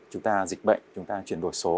chúng ta dịch bệnh chúng ta chuyển đổi số